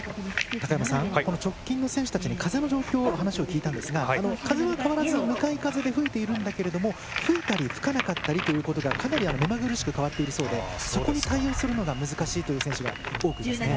高山さん、直近の選手たちに風の状況、話を聞いたんですが風は、変わらず向かい風で吹いているんだけれども吹いたり吹かなかったりということが、かなり目まぐるしく変わっているそうでそこに対応するのが難しいという選手が多くいますね。